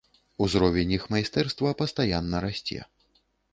Узровень іх майстэрства пастаянна расце.